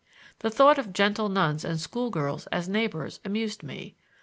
The thought of gentle nuns and school girls as neighbors amused me.